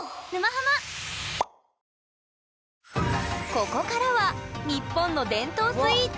ここからは日本の伝統スイーツ和菓子！